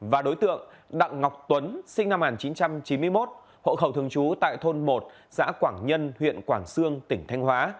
và đối tượng đặng ngọc tuấn sinh năm một nghìn chín trăm chín mươi một hộ khẩu thường trú tại thôn một xã quảng nhân huyện quảng sương tỉnh thanh hóa